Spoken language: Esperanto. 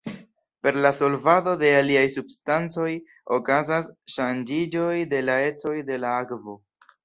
Per la solvado de aliaj substancoj okazas ŝanĝiĝoj de la ecoj de la akvo.